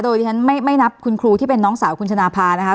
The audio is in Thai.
โดยที่ฉันไม่นับคุณครูที่เป็นน้องสาวคุณชนะภานะคะ